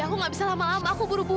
aku gak bisa lama lama aku buru buru